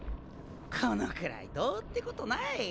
このくらいどうってことない。